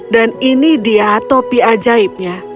dan ini dia topi ajaibnya